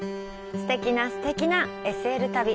すてきな、すてきなＳＬ旅。